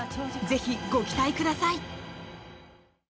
ぜひご期待ください！